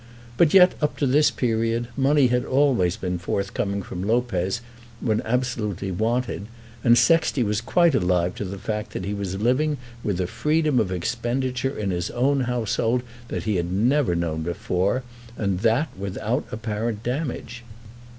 But yet, up to this period, money had always been forthcoming from Lopez when absolutely wanted, and Sexty was quite alive to the fact that he was living with a freedom of expenditure in his own household that he had never known before, and that without apparent damage.